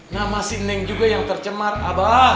nama si neng juga yang tercemar abah